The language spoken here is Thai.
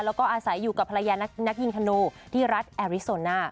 แล้วก็อาศัยอยู่กับภรรยานักยิงธนูที่รัฐแอริโซน่า